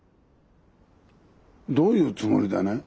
どういうつもりだね？